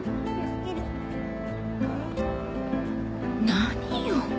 何よ！